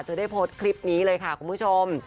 เธอได้โพสต์คลิปนี้เลยคุณผู้ชม